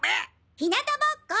ひなたぼっこ！